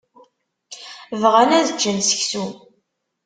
Bɣan ad ččen seksu.